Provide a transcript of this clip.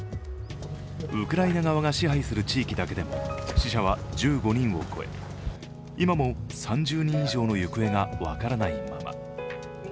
ウクライナ側が支配する地域だけでも、死者は１５人を超え、今も３０人以上の行方が分からないまま。